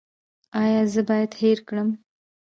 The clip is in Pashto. ایا زه باید هیر کړم؟